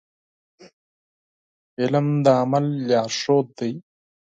علم د عمل لارښود دی.